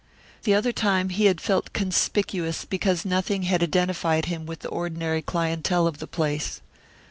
The other time he had felt conspicuous because nothing had identified him with the ordinary clientele of the place.